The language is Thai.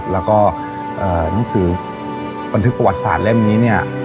แล้วก็หนังสือบันทึกประวัติศาสตร์เล่มนี้เนี่ย